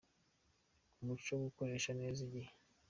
Ku muco wo gukoresha neza igihe.